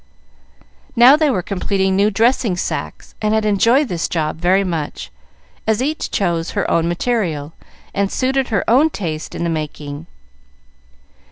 Now they were completing new dressing sacks, and had enjoyed this job very much, as each chose her own material, and suited her own taste in the making.